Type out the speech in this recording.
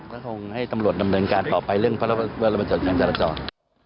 ก็คงให้ตำรวจดำเนินการต่อไปเรื่องพระบรมจดการจราจร